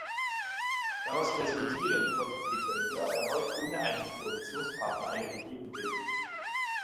Daraus resultierend konnte Peter Müller erneut ohne einen Koalitionspartner eine Regierung bilden.